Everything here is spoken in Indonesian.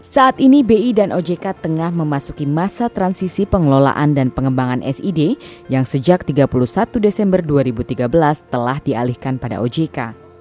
saat ini bi dan ojk tengah memasuki masa transisi pengelolaan dan pengembangan sid yang sejak tiga puluh satu desember dua ribu tiga belas telah dialihkan pada ojk